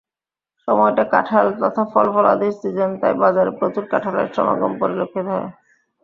সময়টা কাঁঠাল তথা ফলফলাদির সিজন, তাই বাজারে প্রচুর কাঁঠালের সমাগম পরিলক্ষিত হয়।